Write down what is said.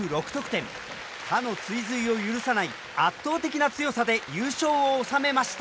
他の追随を許さない圧倒的な強さで優勝を収めました。